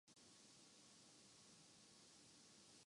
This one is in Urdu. مختلف کورسز انہیں کرنے پڑتے ہیں۔